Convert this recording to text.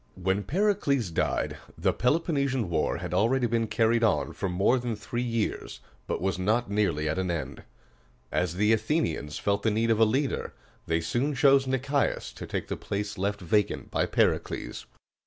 When Pericles died, the Peloponnesian War had already been carried on for more than three years, but was not nearly at an end. As the Athenians felt the need of a leader, they soon chose Nic´ias to take the place left vacant by Pericles.